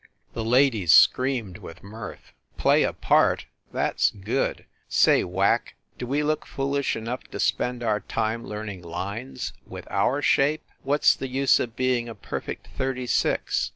The ladies screamed with mirth. "Play a part! That s good! Say, Whack, do we look foolish enough to spend our time learning lines, with our shape? What s the use of being a perfect thirty six?